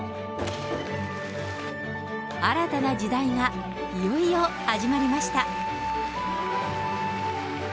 新たな時代がいよいよ始まりました。